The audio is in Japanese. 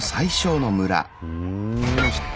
ふん。